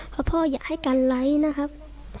เพราะพ่ออยากให้กันไร้นะครับ